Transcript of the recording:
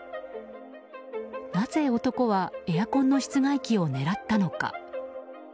なぜ男はエアコンの室外機を狙ったのか。